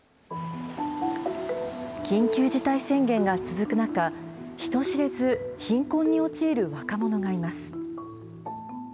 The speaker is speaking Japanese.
緊急事態宣言が続く中、人知れず貧困に陥る若者がいます。